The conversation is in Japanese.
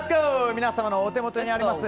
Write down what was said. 皆様のお手元にあります